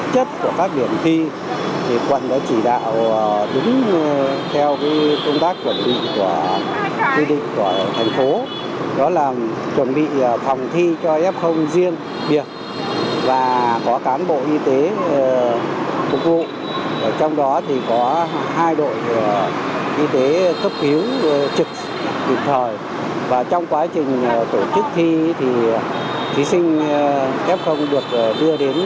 cấp thiếu trực trực thời và trong quá trình tổ chức thi thì thí sinh f được đưa đến